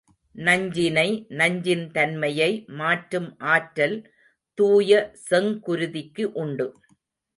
நஞ்சினை, நஞ்சின் தன்மையை மாற்றும் ஆற்றல் தூய செங்குருதிக்கு உண்டு.